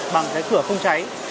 bằng cái cửa không cháy